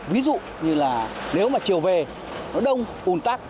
ví dụ như là nếu mà chiều về nó đông ùn tắc